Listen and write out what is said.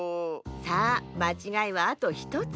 さあまちがいはあと１つ。